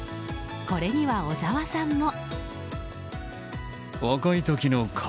これには小沢さんも。